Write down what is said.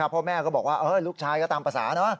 พ่อแม่ก็บอกว่าลูกชายก็ตามภาษา